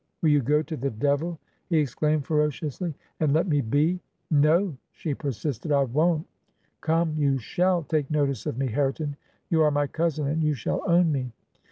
'Will you go to the devil!' he exclaimed, ferociously, 'and let me be!' 'No,' she persisted, 'I won't. Come, you shall take notice of me, Hareton : you are my cousin, and you shall own me.'